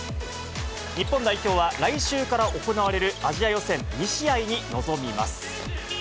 日本代表は、来週から行われるアジア予選２試合に臨みます。